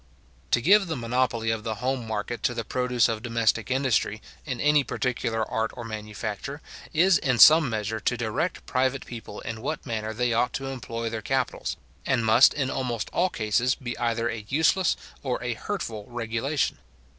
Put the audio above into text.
To give the monopoly of the home market to the produce of domestic industry, in any particular art or manufacture, is in some measure to direct private people in what manner they ought to employ their capitals, and must in almost all cases be either a useless or a hurtful regulation.